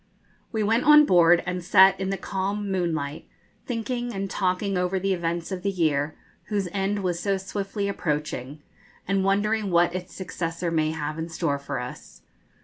We went on board, and sat in the calm moonlight, thinking and talking over the events of the year, whose end was so swiftly approaching, and wondering what its successor may have in store for us.